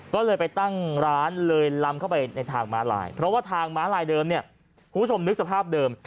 ก็เลยไปตั้งร้านเลยลำเข้าไปในทางม้าลายเพราะว่าทางม้าลายเดิมเนี่ยคุณผู้ชมนึกสภาพเดิม